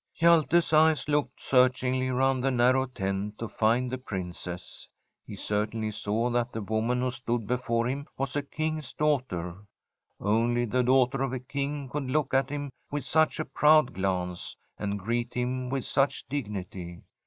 Hjalte's eyes looked searchingly round the narrow tent to find the Princess. He certainly ASTRID saw that the woman who stood before him was a King's daughter. Only the daughter of a King could look at him with such a proud glance, and greet him with such dignity.